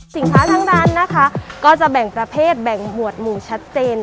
สินค้าทั้งนั้นนะคะก็จะแบ่งประเภทแบ่งหวดหมู่ชัดเจน